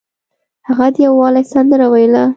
هغه د یووالي سندره ویله.